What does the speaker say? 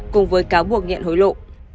cùng với cáo buộc nhận hối lộ